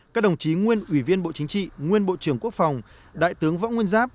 các đồng chí nguyên ủy viên bộ chính trị nguyên bộ trưởng quốc phòng đại tướng võ nguyên giáp